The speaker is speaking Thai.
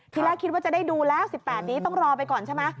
ทีแรกคิดว่าจะได้ดูแล้ว๑๘นี้ต้องรอไปก่อนใช่ไหม